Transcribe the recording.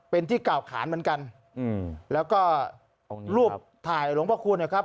เป็นที่กล่าวขานเหมือนกันแล้วก็รูปถ่ายหลวงพระคุณนะครับ